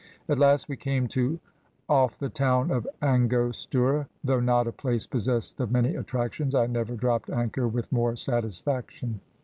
At last we came to off the town of Angostura. Though not a place possessed of many attractions, I never dropped anchor with more satisfaction.